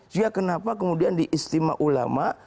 ya kenapa kemudian diistimewa ulama